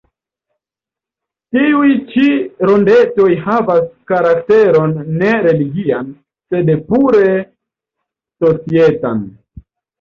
Tiuj ĉi rondetoj havas karakteron ne religian, sed pure societan.